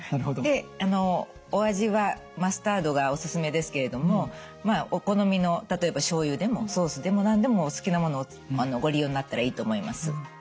でお味はマスタードがおすすめですけれどもまあお好みの例えばしょうゆでもソースでも何でもお好きなものをご利用になったらいいと思います。